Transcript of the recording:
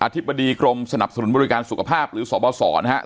ธิบดีกรมสนับสนุนบริการสุขภาพหรือสบสนะครับ